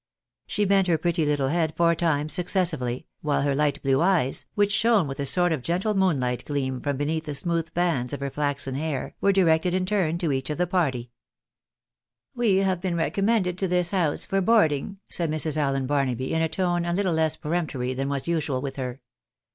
She bent her pretty little head four times successively, while her light blue eyes, which shone with a sort of gentle moonlight gleam from beneath the smooth bands of her flaxen hair, were directed in turn to each of the party. 220 THE BARXABYS IN AMERICA. " We have been recommended to this house for boarding," said Mrs. Allen Barnaby, in a tone a little less peremptory than was usual with her.